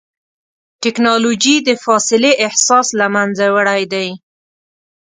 ټکنالوجي د فاصلې احساس له منځه وړی دی.